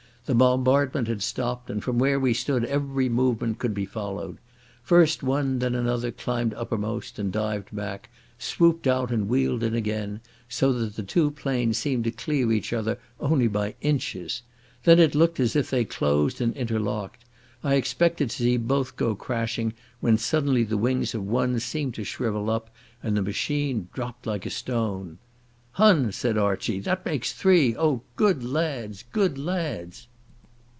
The bombardment had stopped, and from where we stood every movement could be followed. First one, then another, climbed uppermost and dived back, swooped out and wheeled in again, so that the two planes seemed to clear each other only by inches. Then it looked as if they closed and interlocked. I expected to see both go crashing, when suddenly the wings of one seemed to shrivel up, and the machine dropped like a stone. "Hun," said Archie. "That makes three. Oh, good lads! Good lads!"